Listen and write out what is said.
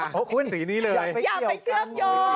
อย่าไปเกี่ยวกัน